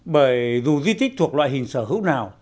bởi dù di tích thuộc loại hình sở hữu nào